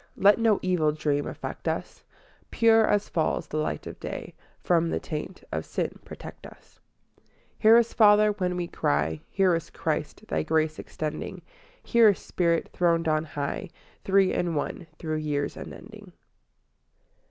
Let no evil dream affect us; Pure as falls the light of day, From the taint of sin protect us. III Hear us, Father, when we cry; Hear us, Christ, Thy grace extending; Hear us, Spirit, throned on high, Three in one, through years unending.